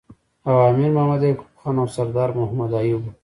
او امیر محمد یعقوب خان او سردار محمد ایوب